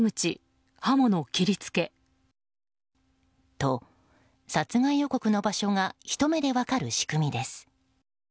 と、殺害予告の場所がひと目で分かる仕組みです。